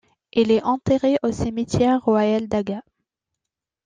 Il est enterré au cimetière royal d'Haga.